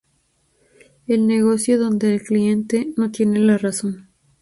El negocio donde el cliente no tiene la razón!